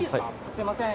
すいません